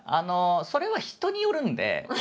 それは人によるんで。